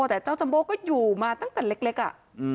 แต่เจ้าจัมโบ้ก็อยู่มาตั้งแต่เล็กอ่ะ